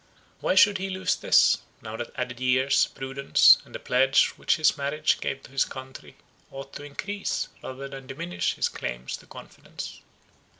Why should he lose this, now that added years, prudence, and the pledge which his marriage gave to his country, ought to encrease, rather than diminish his claims to confidence?